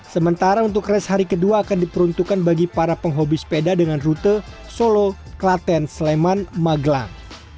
sementara untuk race hari kedua akan diperuntukkan bagi para penghobi sepeda dengan rute solo klaten sleman magelang